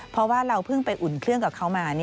เพราะว่าเราเพิ่งไปอุ่นเครื่องกับเขามา